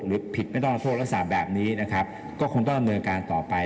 หรือผิดไม่ต้องรับโทษรักษาแบบนี้ก็คงต้องทำเนื้อการต่อไป